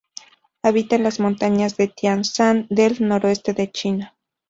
Habita en las montañas de Tian Shan del noroeste de China.